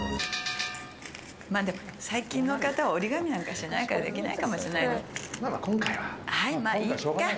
最近の方は折り紙なんかしないからできないかもしれない。